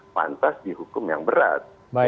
pantas di hukum yang berat